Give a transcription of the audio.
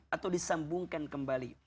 atau disambungkan kembali